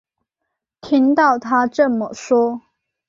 听到她这么说